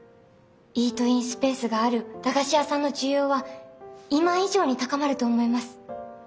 イートインスペースがある駄菓子屋さんの需要は今以上に高まると思います。